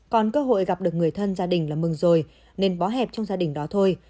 còn cơ hội gặp được người thân gia đình là mừng rồi nên bó hẹp trong gia đình đó thôi